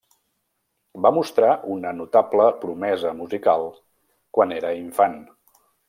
Va mostrar una notable promesa musical quan era infant.